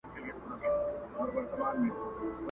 نه مرمۍ نه به توپک وي نه به وېره له مردک وي؛